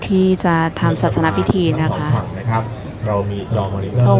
ที่จะทำศาสนภิษฐีนะคะพระวายมหาสังกฐาน